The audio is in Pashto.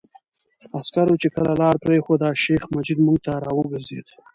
عسکرو چې کله لاره پرېښوده، شیخ مجید موږ ته را وګرځېد.